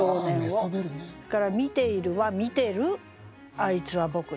それから「見ている」は「見てる『あいつは僕だ』」。